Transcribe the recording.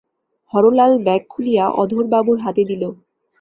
Harlal bag খুলিয়া অধরবাবুর হাতে দিল।